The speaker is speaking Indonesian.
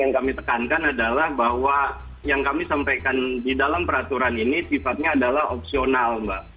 yang kami tekankan adalah bahwa yang kami sampaikan di dalam peraturan ini sifatnya adalah opsional mbak